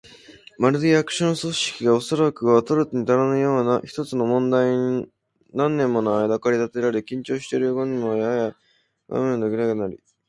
まるで、役所の組織が、おそらくは取るにたらぬような一つの問題に何年ものあいだ駆り立てられ、緊張していることにもはや我慢できなくなり、